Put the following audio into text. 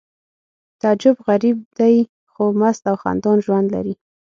تعجب غریب دی خو مست او خندان ژوند لري